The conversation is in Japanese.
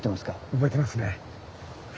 覚えてますね。